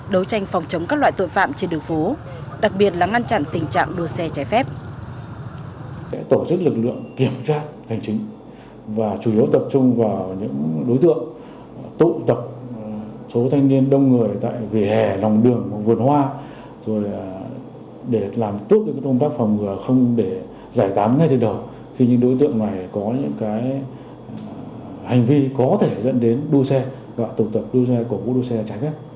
đối tranh phòng chống các loại tội phạm trên đường phố đặc biệt là ngăn chặn tình trạng đua xe trái phép